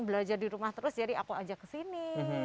belajar di rumah terus jadi aku ajak kesini